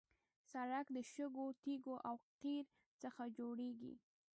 سړک د شګو، تیږو او قیر څخه جوړېږي.